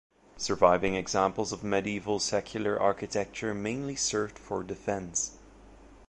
Surviving examples of medieval secular architecture mainly served for defense.